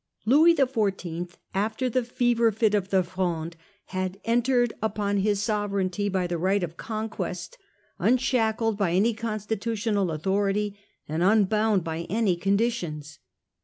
LOUIS XIV., after the fever fit of the Fronde, had entered upon his sovereignty by the right of conquest, unshackled _,„ by any constitutional authority, and unbound restored by any conditions.